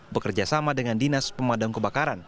bekerja sama dengan dinas pemadam kebakaran